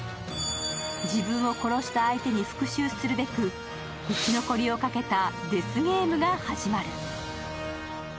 自分を殺した相手に復しゅうするべく生き残りをかけたデスゲームが始まる。